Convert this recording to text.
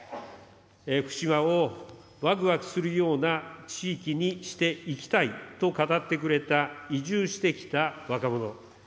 福島をわくわくするような地域にしていきたいと語ってくれた、移住してきた若者。